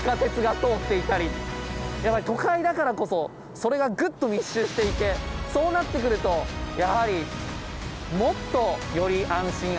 やっぱり都会だからこそそれがぐっと密集していてそうなってくるとやはりもっとより安心安全に。